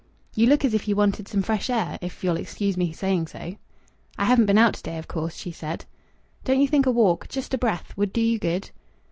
"You look as if you wanted some fresh air if you'll excuse me saying so." "I haven't been out to day, of course," she said. "Don't you think a walk just a breath would do you good!"